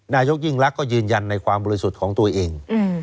นายกยิ่งรักก็ยืนยันในความบริสุทธิ์ของตัวเอง